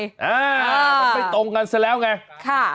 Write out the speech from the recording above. มันไปตรงกันเสียแล้วไง